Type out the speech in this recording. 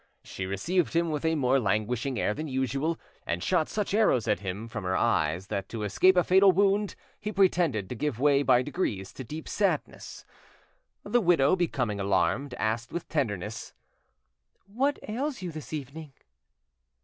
She received him with a more languishing air than usual, and shot such arrows at him froth her eyes that to escape a fatal wound he pretended to give way by degrees to deep sadness. The widow, becoming alarmed, asked with tenderness— "What ails you this evening?"